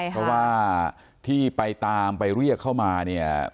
เพราะว่าที่ไปตามไปเรียกเข้ามาเนี่ย